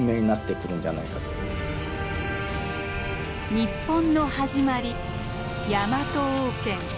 日本の始まりヤマト王権。